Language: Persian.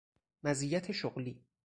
مزیت شغلی